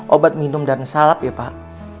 obat minum dan salap ya pak